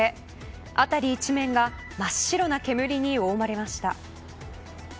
辺り一面が真っ白な煙に覆われました。